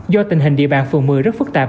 do tình hình địa bàn phường một mươi rất phức tạp